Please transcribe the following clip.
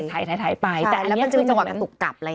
แล้วมันจะมีจังหวะกันตุกกลับเลย